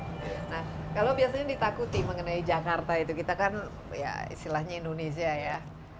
nah kalau biasanya ditakuti mengenai jakarta itu kita kan ya istilahnya indonesia ya